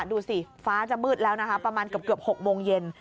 ดูสิฟ้าจะมืดแล้วนะคะประมาณเกือบ๖โมงเย็น